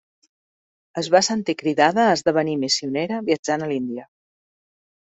Es va sentir cridada a esdevenir missionera viatjant a l'Índia.